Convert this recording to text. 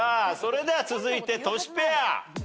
それでは続いてトシペア。